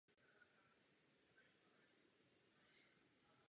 Město obývají především Rusové.